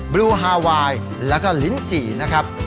บลูฮาไวน์แล้วก็ลิ้นจี่นะครับ